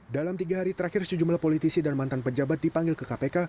dalam tiga hari terakhir sejumlah politisi dan mantan pejabat dipanggil ke kpk